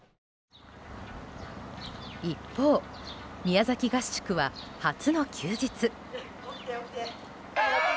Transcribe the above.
一方、宮崎合宿は初の休日。